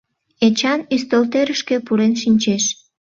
Эчан ӱстелтӧрышкӧ пурен шинчеш.